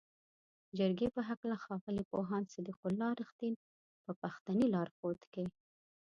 جرګې په هکله ښاغلي پوهاند صدیق الله "رښتین" په پښتني لارښود کې